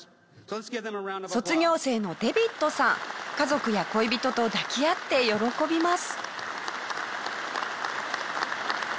卒業生のデビッドさん家族や恋人と抱き合って喜びます。